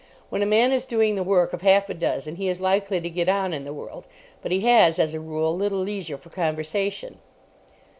When a man is doing the work of half a dozen he is likely to get on in the world, but he has, as a rule, little leisure for conversation.